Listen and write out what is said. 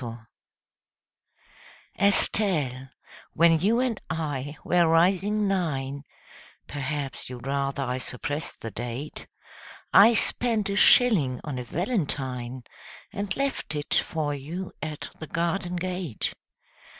] ESTELLE, when you and I were rising nine Perhaps you'd rather I suppressed the date I spent a shilling on a valentine And left it for you at the garden gate.